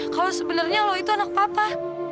kalau sebenarnya lo itu anak papa